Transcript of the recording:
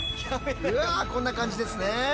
うわこんな感じですね。